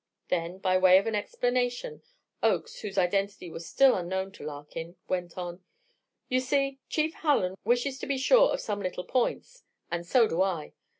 Then, by way of explanation, Oakes, whose identity was still unknown to Larkin, went on: "You see, Chief Hallen wishes to be sure of some little points, and so do I.